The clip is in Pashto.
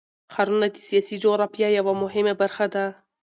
ښارونه د سیاسي جغرافیه یوه مهمه برخه ده.